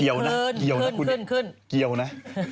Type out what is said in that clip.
เกียวนะคุณเนี่ยเกียวนะ